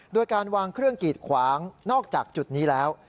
โดยการวางเครื่องกีดขวางนอกจากจุดนี้แล้ว